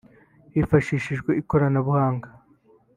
Hifashishijwe ikoranabuhanga